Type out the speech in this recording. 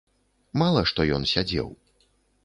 Мала што ён сядзеў.